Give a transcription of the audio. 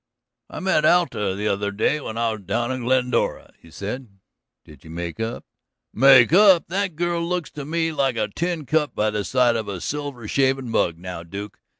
"I met Alta the other day when I was down in Glendora," he said. "Did you make up?" "Make up! That girl looks to me like a tin cup by the side of a silver shavin' mug now, Duke.